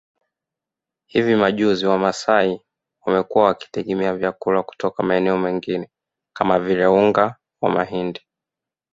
Hivi majuzi Wamasai wamekuwa wakitegemea vyakula kutoka maeneo mengine kama vile unga wa mahindi